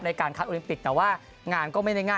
ในการคัดโอลิมปิกแต่ว่างานก็ไม่ได้ง่าย